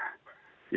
ini yang terjadi